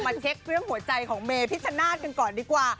เช็คเรื่องหัวใจของเมพิชชนาธิ์กันก่อนดีกว่า